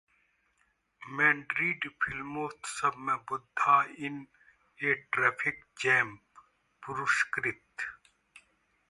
Madrid फिल्मोत्सव में 'Buddha in a traffic jam' पुरस्कृत